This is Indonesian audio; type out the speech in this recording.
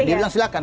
dia bilang silahkan